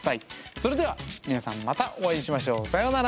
それでは皆さんまたお会いしましょう。さようなら。